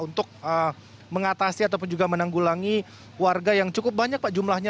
untuk mengatasi ataupun juga menanggulangi warga yang cukup banyak pak jumlahnya